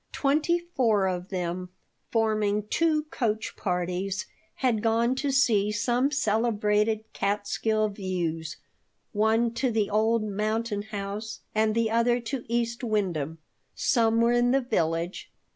Twenty four of them, forming two coach parties, had gone to see some celebrated Catskill views, one to the Old Mountain House and the other to East Windham. Some were in the village.